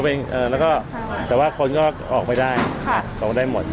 เหลือว่าคนก็ออกไม่ได้เท่าว่าได้หมด